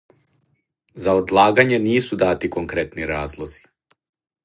За одлагање нису дати конкретни разлози.